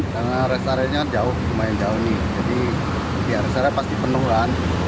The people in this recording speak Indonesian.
karena restorannya jauh lumayan jauh nih jadi ya restorannya pasti penuh kan